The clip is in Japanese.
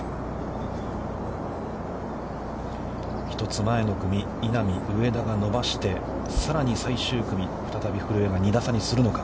１つ前の組、稲見、上田が伸ばして、さらに、最終組、再び古江が２打差にするのか。